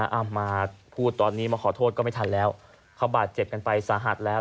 เอามาพูดตอนนี้มาขอโทษก็ไม่ทันแล้วเขาบาดเจ็บกันไปสาหัสแล้ว